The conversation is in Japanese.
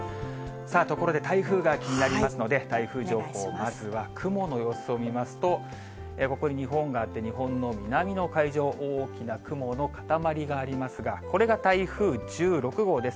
さあ、ところで台風が気になりますので、台風情報、まずは雲の様子を見ますと、ここに日本があって、日本の南の海上、大きな雲の固まりがありますが、これが台風１６号です。